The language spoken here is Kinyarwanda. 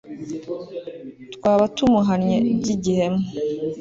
twaba tumuhanye by'igihemu